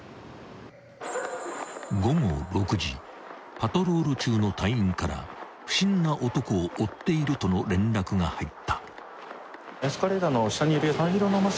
［パトロール中の隊員から不審な男を追っているとの連絡が入った］